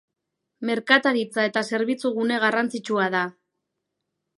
Merkataritza eta zerbitzu gune garrantzitsua da.